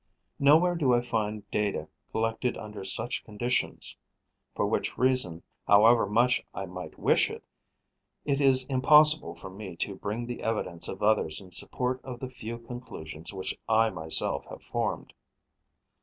Nowhere do I find data collected under such conditions; for which reason, however much I might wish it, it is impossible for me to bring the evidence of others in support of the few conclusions which I myself have formed.